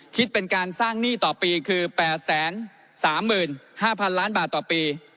คิดเป็นการสร้างหนี้ต่อปีคือ๘๓๕๐๐๐ล้านบาทต่อปี